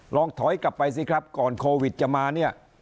ลองถอยกลับไปสิครับก่อนโควิดจะมาเนี่ย